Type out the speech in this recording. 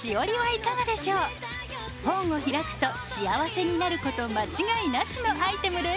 本を開くと幸せになること間違いなしのアイテムです。